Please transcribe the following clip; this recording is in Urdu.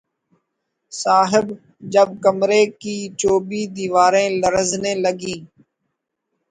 صاحب جب کمرے کی چوبی دیواریں لرزنے لگیں